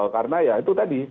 karena ya itu tadi